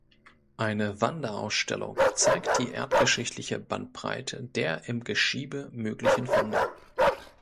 Eine Wanderausstellung zeigt die erdgeschichtliche Bandbreite der im Geschiebe möglichen Funde.